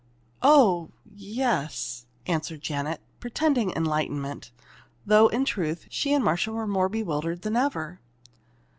"Oh yes," answered Janet, pretending enlightenment, though in truth she and Marcia were more bewildered than ever.